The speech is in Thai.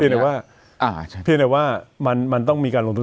เพียงแต่ว่ามันต้องมีการลงทุน